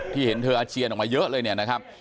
เห็นเธออาเจียนออกมาเยอะเลยเนี่ยนะครับ